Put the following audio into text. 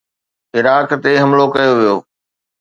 Iraq تي حملو ڪيو ويو.